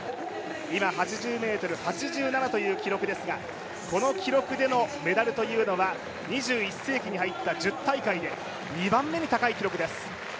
今、８０ｍ８７という記録ですが、この記録でのメダルというのは２１世紀に入った１０大会で２番目に高い記録です。